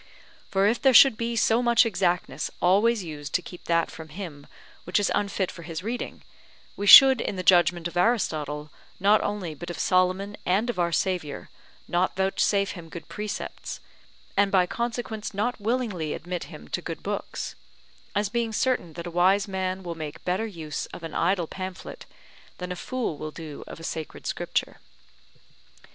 For if there should be so much exactness always used to keep that from him which is unfit for his reading, we should in the judgment of Aristotle not only, but of Solomon and of our Saviour, not vouchsafe him good precepts, and by consequence not willingly admit him to good books; as being certain that a wise man will make better use of an idle pamphlet, than a fool will do of sacred Scripture.